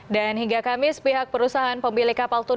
dan hingga kamis pihak perusahaan pemilih kapal tuntas